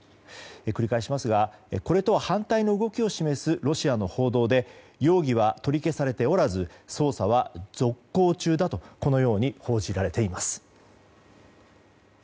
繰り返しますがこれと反対の動きを見せるロシアの報道で容疑は取り消されておらず捜査は続行中だと報じられています。